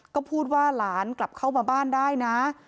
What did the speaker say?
ก็พูดว่าหลานกลับเข้ามาบ้านได้นะ